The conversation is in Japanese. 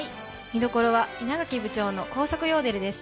見どころは稲垣部長の高速ヨーデルです。